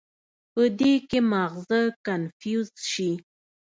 پۀ دې کښې مازغه کنفيوز شي